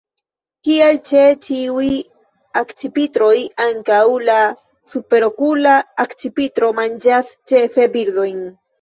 Kiel ĉe ĉiuj akcipitroj, ankaŭ la Superokula akcipitro manĝas ĉefe birdojn.